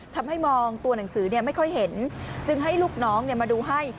ทำให้มองตัวหนังสือไม่ค่อยเห็นจึงให้ลูกน้องมาดูให้